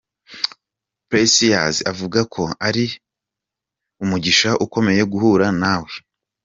Precious avuga ko ari umugisha ukomeye guhura nawe.